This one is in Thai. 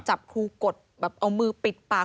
จับครูกดแบบเอามือปิดปาก